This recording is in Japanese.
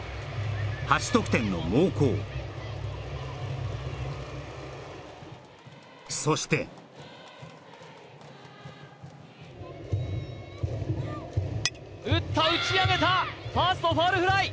８得点の猛攻そして打った打ち上げたファーストファウルフライ